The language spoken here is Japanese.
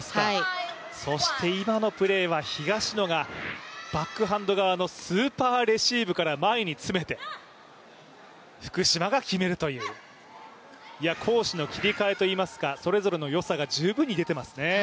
そして今のプレーは東野がバックハンド側のスーパーレシーブから前に詰めて福島が決めるという攻守の切り替えといいますかそれぞれの良さが十分に出ていますね。